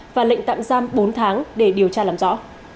và lệnh tạm giam bốn tháng để điều tra làm rõ